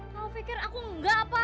hah kalo pikir aku enggak pa